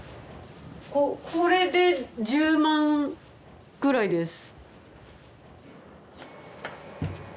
これで１０万ぐらいです